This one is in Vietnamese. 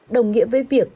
đồng nghĩa với việc